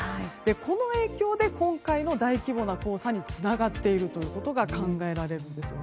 この影響で今回の大規模な黄砂につながっていることが考えられるんですよね。